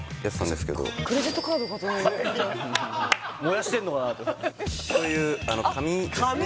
燃やしてんのかなとこういう紙ですね紙？